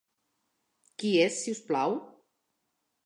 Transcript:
Qui és, si us plau?